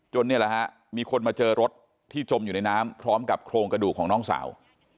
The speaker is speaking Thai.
นี่แหละฮะมีคนมาเจอรถที่จมอยู่ในน้ำพร้อมกับโครงกระดูกของน้องสาว